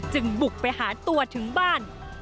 บุกไปหาตัวถึงบ้าน